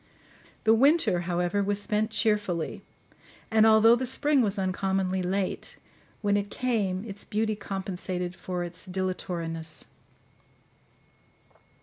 The winter, however, was spent cheerfully; and although the spring was uncommonly late, when it came its beauty compensated for its dilatoriness.